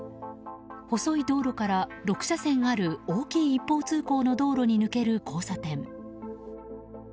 細い道路から６車線ある大きい一方通行に抜ける交差点。